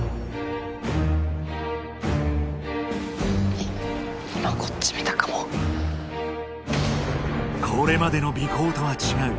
いっ今こっち見たかもこれまでの尾行とは違う